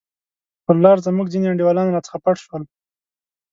پر لار زموږ ځیني انډیوالان راڅخه پټ شول.